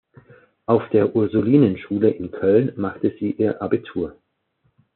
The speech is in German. Auf der Ursulinen-Schule in Köln machte sie ihr Abitur.